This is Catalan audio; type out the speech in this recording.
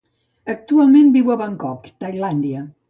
Actualment viu a Bangkok, Tailàndia.